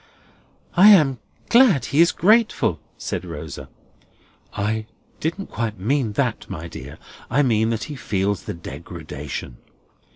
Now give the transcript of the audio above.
"I am glad he is grateful," said Rosa. "I didn't quite mean that, my dear. I mean, that he feels the degradation.